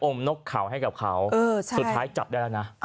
นกเขาให้กับเขาสุดท้ายจับได้แล้วนะ